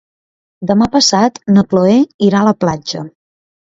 Demà passat na Cloè irà a la platja.